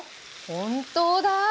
本当だ！